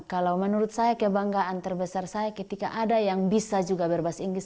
kalau menurut saya kebanggaan terbesar saya ketika ada yang bisa juga berbahasa inggris